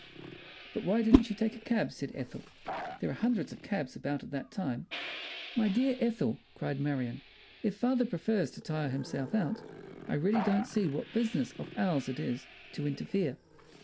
"But why didn't you take a cab?" said Ethel. "There are hundreds of cabs about at that time." "My dear Ethel," cried Marion, "if father prefers to tire himself out, I really don't see what business of ours it is to interfere."